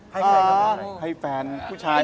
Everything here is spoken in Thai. ให้พี่ผ่านได้ผู้ชาย